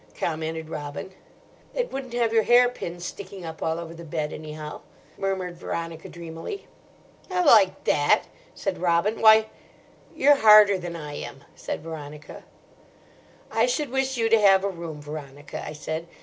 commented Robin. "It wouldn't have your hairpins sticking up all over the bed, anyhow," murmured Veronica dreamily. "I like that!" said Robin; "why—" "You're harder than I am," said Veronica. "I should wish you to have a room, Veronica," I said.